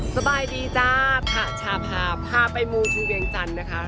สบายดีจ้าพระชาภาพพระไปมูลทุเวียงจันทร์นะคะ